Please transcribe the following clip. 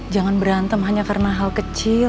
jangan berantem hanya karena hal kecil